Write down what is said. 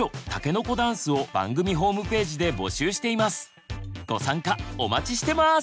番組ではご参加お待ちしてます！